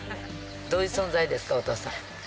どういう存在ですか、お父さん。